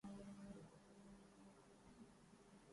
مری سادگی دیکھ کیا چاہتا ہوں